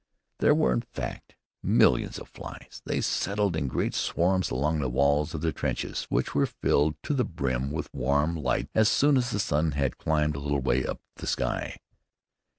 There were, in fact, millions of flies. They settled in great swarms along the walls of the trenches, which were filled to the brim with warm light as soon as the sun had climbed a little way up the sky.